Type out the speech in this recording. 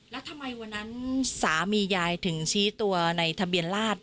แล้วทำไมวันนั้นสามียายถึงชี้ตัวในทะเบียนราช